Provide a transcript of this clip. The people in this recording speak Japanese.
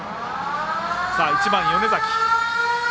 １番、米崎。